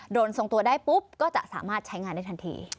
ทรงตัวได้ปุ๊บก็จะสามารถใช้งานได้ทันที